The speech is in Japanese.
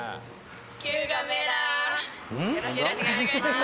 よろしくお願いします。